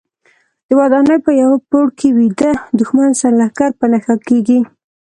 د ودانۍ په یوه پوړ کې ویده دوښمن سرلښکر په نښه کېږي.